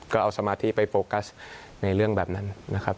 ก็เอาสมาธิไปโฟกัสในเรื่องแบบนั้นนะครับ